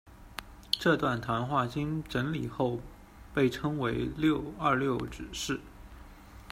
这段谈话经整理后被称为《六·二六指示》。